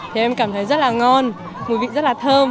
thì em cảm thấy rất là ngon mùi vị rất là thơm